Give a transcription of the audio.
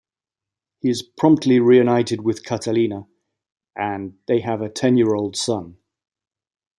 He is promptly reunited with Catalina, and they have a ten-year-old son.